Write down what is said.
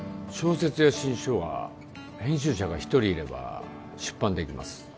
小説や新書は編集者が一人いれば出版できます